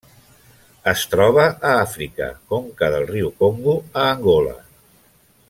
Es troba a Àfrica: conca del riu Congo a Angola.